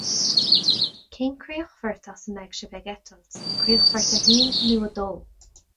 Cén críochfort as a mbeidh sibh ag eitilt? Críochfort a haon nó a dó?